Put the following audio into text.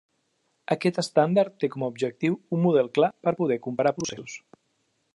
Aquest estàndard té com a objectiu un model clar per a poder comparar processos.